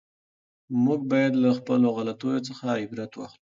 موږ باید له خپلو غلطیو څخه عبرت واخلو.